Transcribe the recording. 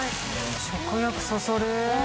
食欲そそる。